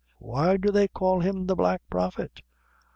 "Why do they call him the Black Prophet?"